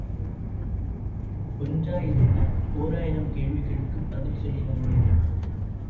ஒன்றா இரண்டா ஓராயிரம் கேள்விகளுக்குப் பதில் சொல்லியாக வேண்டும்.